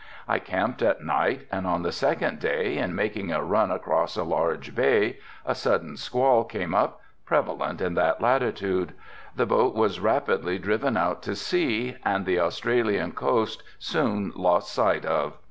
I camped at night and on the second day, in making a run across a large bay, a sudden squall came up, prevalent in that latitude. The boat was rapidly driven out to sea and the Australian coast soon lost sight of.